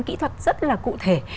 kỹ thuật rất là cụ thể